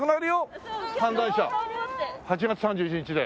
８月３１日で。